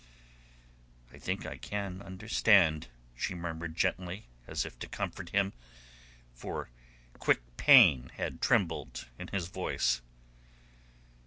"I think I can understand," she murmured gently, as if to comfort him, for quick pain had trembled in his voice.